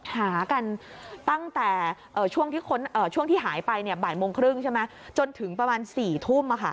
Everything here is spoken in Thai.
หากันตั้งแต่ช่วงที่หายไปบ่ายโมงครึ่งใช่ไหมจนถึงประมาณ๔ทุ่ม